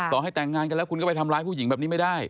ให้แต่งงานกันแล้วคุณก็ไปทำร้ายผู้หญิงแบบนี้ไม่ได้